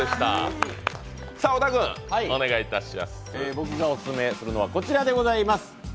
僕がオススメするのはこちらでございます。